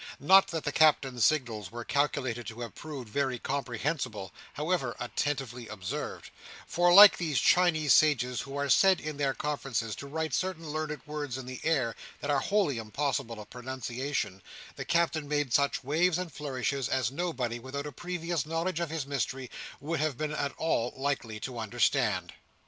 Not that the Captain's signals were calculated to have proved very comprehensible, however attentively observed; for, like those Chinese sages who are said in their conferences to write certain learned words in the air that are wholly impossible of pronunciation, the Captain made such waves and flourishes as nobody without a previous knowledge of his mystery, would have been at all likely to understand.